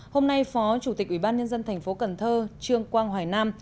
hôm nay phó chủ tịch ủy ban nhân dân thành phố cần thơ trương quang hoài nam